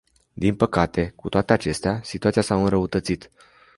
Din păcate, cu toate acestea, situația s-a înrăutățit.